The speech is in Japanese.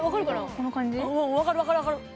この感じ分かる分かる分かる